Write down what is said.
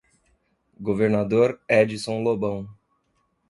Governador Edison Lobão